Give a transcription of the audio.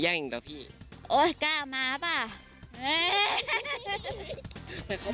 ไม่ต้องไม่ต้อง